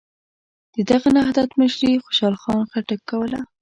د دغه نهضت مشري خوشحال خان خټک کوله.